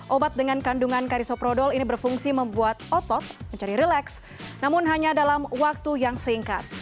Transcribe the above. obat dengan kandungan karisoprodol ini berfungsi membuat otot menjadi relax namun hanya dalam waktu yang singkat